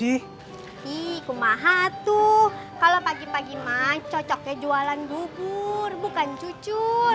ih kumaha tuh kalau pagi pagi macoknya jualan gugur bukan cucur